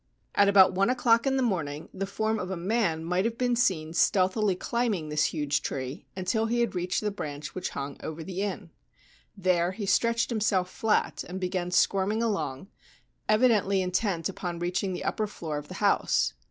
At about one o'clock 226 A Stormy Night's Tragedy in the morning the form of a man might have been seen stealthily climbing this huge tree until he had reached the branch which hung over the inn. There he stretched himself flat, and began squirming along, evidently intent upon reaching the upper floor of the house.